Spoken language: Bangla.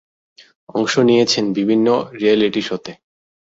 অংশ নিয়েছেন বিভিন্ন রিয়েলিটি শোতে।